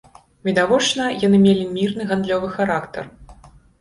Відавочна, яны мелі мірны гандлёвы характар.